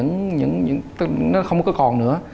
nó không có còn nữa